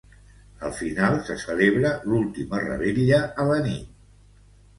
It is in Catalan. Al final, se celebra l'última revetla a la nit.